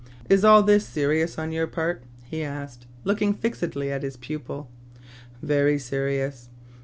" Is all this serious on your part ?he asked, looking fixedly at his pupil. "Very serious."